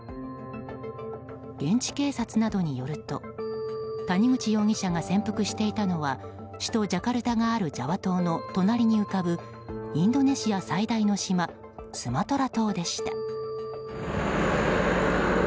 現地警察などによると谷口容疑者が潜伏していたのは首都ジャカルタがあるジャワ島の隣に浮かぶインドネシア最大の島スマトラ島でした。